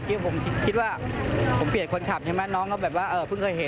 ผมคิดว่าแล้วกับน้องคือเพิ่งเคยเห็น